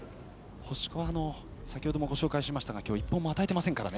星子は先ほどご紹介しましたが今日は１本も与えてませんからね。